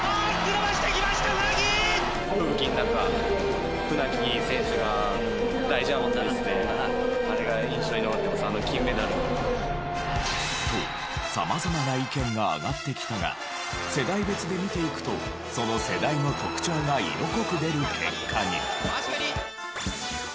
伸ばしてきたー！と様々な意見が挙がってきたが世代別で見ていくとその世代の特徴が色濃く出る結果に。